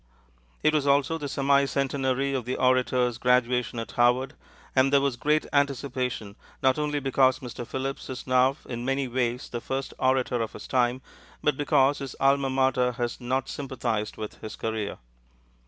It was also the semi centenary of the orator's graduation at Harvard, and there was great anticipation, not only because Mr. Phillips is now in many ways the first orator of his time, but because his alma mater has not sympathized with his career.